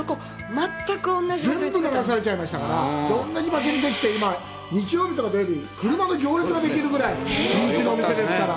全部、流されちゃいましたから、同じ場所にできて、今、日曜日とか土曜日、車の行列ができるぐらい人気のお店ですから。